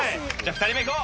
２人目いこう！